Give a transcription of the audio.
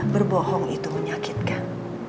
berbohong itu menyakitkan